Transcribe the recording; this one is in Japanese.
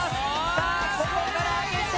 さあここから上げて。